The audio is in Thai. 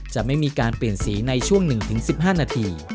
จะไม่มีการเปลี่ยนสีในช่วง๑๑๕นาที